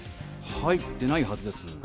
入ってないはずです。